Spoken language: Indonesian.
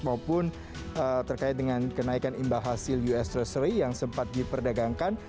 maupun terkait dengan kenaikan imbal hasil us treasury yang sempat diperdagangkan